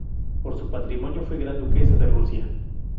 Por su matrimonio, fue gran duquesa de Rusia.